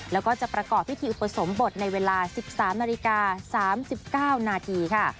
แล้วก็จะประกอบพิธีอุปสมบทในเวลา๑๓นาฬิกา๓๙นาทีค่ะ